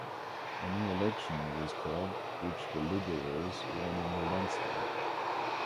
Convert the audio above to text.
A new election was called, which the Liberals won in a landslide.